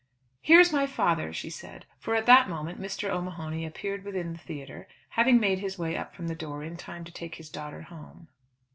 "Here is my father," she said; for at that moment Mr. O'Mahony appeared within the theatre, having made his way up from the door in time to take his daughter home.